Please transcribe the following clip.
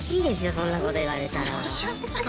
そんなこと言われたら。